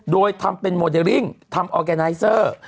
โดยทำเป็นโมเดลลิ่งทำออร์แกไนเซอร์